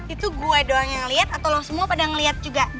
itu gue doang yang lihat atau semua pada ngeliat juga